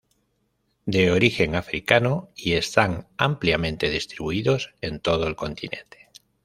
De origen africano y están ampliamente distribuidos en todo el continente.